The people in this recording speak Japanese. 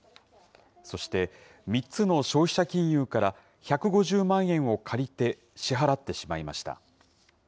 そして３つの消費者金融から１５０万円を借りて支払ってしまいました。